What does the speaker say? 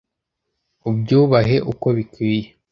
ubyubahe uko bikwiye